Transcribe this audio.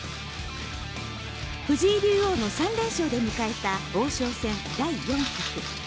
藤井竜王の３連勝で迎えた王将戦第４局。